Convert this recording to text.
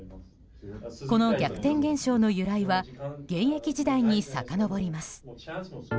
この逆転現象の由来は現役時代にさかのぼります。